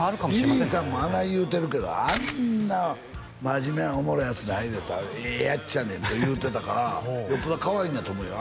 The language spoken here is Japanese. リリーさんもあない言うてるけど「あんな真面目なおもろいヤツないで」と「ええやっちゃねん」って言うてたからよっぽどかわいいんやと思うよ